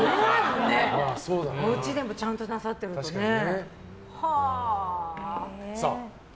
おうちでもちゃんとなさってるからね。